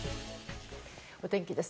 お天気です。